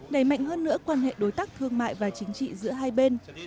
đẩy mạnh hơn nữa quan hệ đối tác thương mại và chính trị giữa hai bên